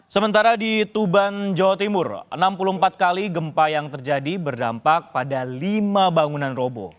sementara di tuban jawa timur enam puluh empat kali gempa yang terjadi berdampak pada lima bangunan robo